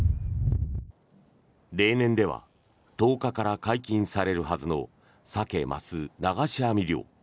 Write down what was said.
例年では１０日から解禁されるはずのサケ・マス流し網漁。